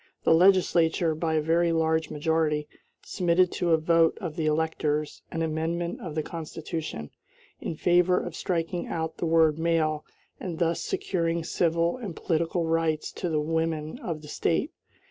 The legislature, by a very large majority, submitted to a vote of the electors an amendment of the Constitution, in favor of striking out the word "male" and thus securing civil and political rights to the women of the State.